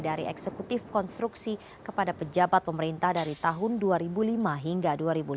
dari eksekutif konstruksi kepada pejabat pemerintah dari tahun dua ribu lima hingga dua ribu lima belas